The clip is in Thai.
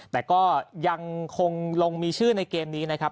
แต่ก็ยังคงลงมีชื่อในเกมนี้นะครับ